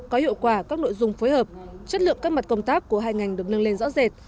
có hiệu quả các nội dung phối hợp chất lượng các mặt công tác của hai ngành được nâng lên rõ rệt